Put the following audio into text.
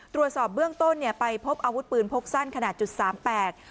ตรวจสอบเบื้องต้นเนี่ยไปพบอาวุธปืนพกสั้นขนาดจุดสามแปด